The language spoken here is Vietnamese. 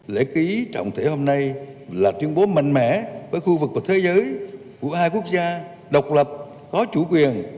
lễ ký trọng thể hôm nay là tuyên bố mạnh mẽ với khu vực và thế giới của hai quốc gia độc lập có chủ quyền